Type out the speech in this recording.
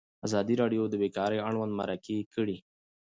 ازادي راډیو د بیکاري اړوند مرکې کړي.